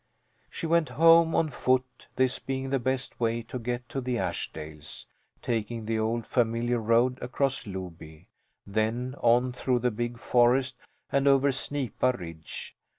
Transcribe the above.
She went home on foot, this being the best way to get to the Ashdales taking the old familiar road across Loby, then on through the big forest and over Snipa Ridge.